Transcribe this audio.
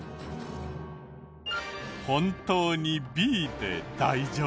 本当にＢで大丈夫？